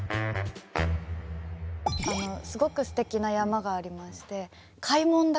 すごくすてきな山がありまして開聞岳。